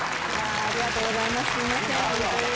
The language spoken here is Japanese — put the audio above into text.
ありがとうございます。